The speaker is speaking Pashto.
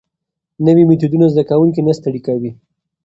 نوي میتودونه زده کوونکي نه ستړي کوي.